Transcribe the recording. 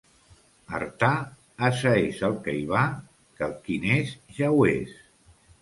Artà, ase és el que hi va, que el qui n'és ja ho és.